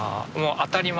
当たり前？